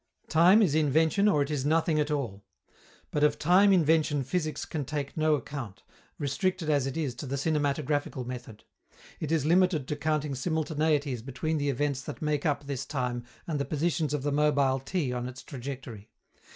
Time is invention or it is nothing at all. But of time invention physics can take no account, restricted as it is to the cinematographical method. It is limited to counting simultaneities between the events that make up this time and the positions of the mobile T on its trajectory.